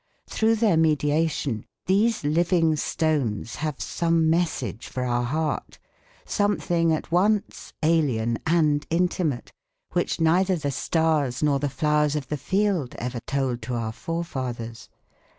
Through their mediation these living stones have some message for our heart, something at once alien and intimate, which neither the stars nor the flowers of the field ever told to our forefathers.